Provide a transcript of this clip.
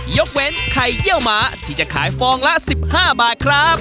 ยกเว้นไข่เยี่ยวหมาที่จะขายฟองละ๑๕บาทครับ